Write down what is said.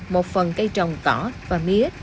một phần cây trồng cỏ và mía